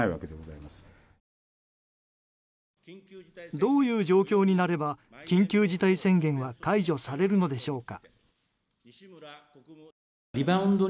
どういう状況になれば緊急事態宣言は解除されるのでしょうか。